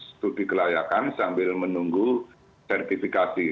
itu dikelayakan sambil menunggu sertifikasi